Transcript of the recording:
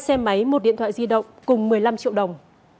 một xe máy một điện thoại di động cùng một mươi năm triệu đồng